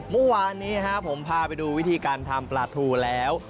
เมื่อวานนี้ผมพาไปดูวิธีการทำปลาทูแล้ว